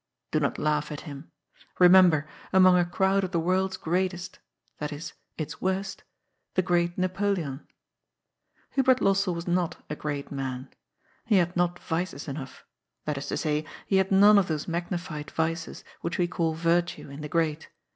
l)o not laugh at him. Remember, among a crowd of the world's greatest (that is, its worst), the great Napoleon. Hubert Lossell was not a great man. He had not vices enough. That is to say, he had none of those magnified vices which we call virtues in the great.